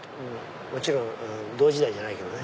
もちろん同時代じゃないけどね。